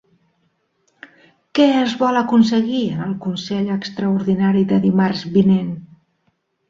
Què es vol aconseguir en el consell extraordinari de dimarts vinent?